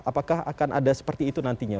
apakah akan ada seperti itu nantinya